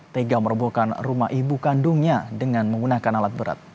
tega merobohkan rumah ibu kandungnya dengan menggunakan alat berat